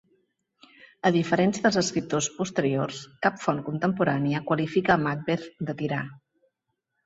A diferència dels escriptors posteriors, cap font contemporània qualifica a Macbeth de tirà.